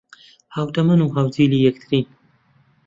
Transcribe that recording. ھاوتەمەن و ھاوجیلی یەکترین